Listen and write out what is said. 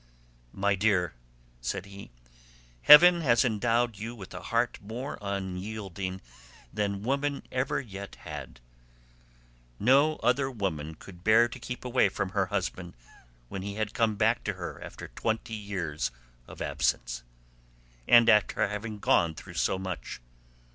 "My dear," said he, "heaven has endowed you with a heart more unyielding than woman ever yet had. No other woman could bear to keep away from her husband when he had come back to her after twenty years of absence, and after having gone through so much.